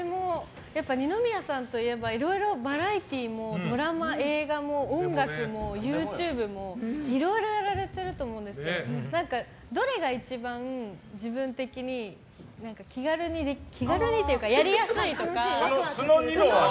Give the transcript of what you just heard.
二宮さんといえばいろいろバラエティーもドラマ、映画も音楽もＹｏｕＴｕｂｅもいろいろやられてると思うんですけどどれが一番、自分的に気軽にというかやりやすいとか。